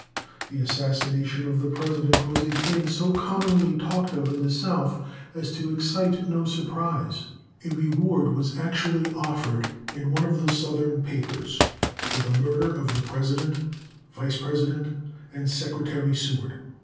The assassination of the President was a thing so commonly talked of in the South as to excite no surprise. A reward was actually offered in one of the Southern papers for "the murder of the President, Vice President, and Secretary Seward."